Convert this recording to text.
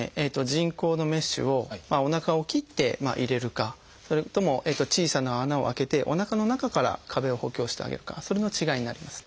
人工のメッシュをおなかを切って入れるかそれとも小さな穴を開けておなかの中から壁を補強してあげるかそれの違いになります。